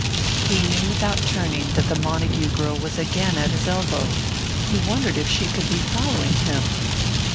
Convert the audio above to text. He knew without turning that the Montague girl was again at his elbow. He wondered if she could be following him.